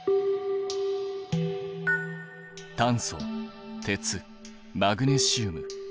炭素鉄マグネシウム。